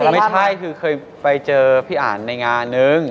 ไม่ใช่คือเคยไปเจอพี่อ่านในงานนึง